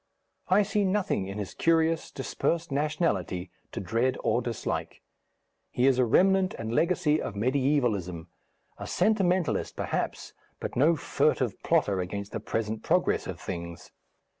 I see nothing in his curious, dispersed nationality to dread or dislike. He is a remnant and legacy of mediævalism, a sentimentalist, perhaps, but no furtive plotter against the present progress of things.